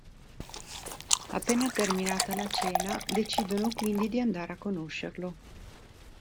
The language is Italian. Appena terminata la cena decidono quindi di andare a conoscerlo.